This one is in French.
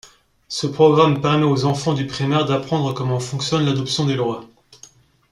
Ce programme permet aux enfants du primaire d'apprendre comment fonctionne l'adoption des lois.